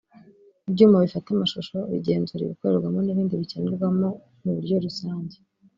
ibyuma bifata amashusho bigenzura ibikorerwamo n’ibindi bikenerwamo mu buryo rusange